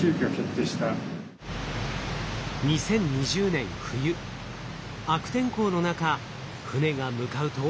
２０２０年冬悪天候の中船が向かうと。